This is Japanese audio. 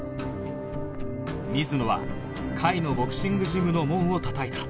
水野は甲斐のボクシングジムの門をたたいた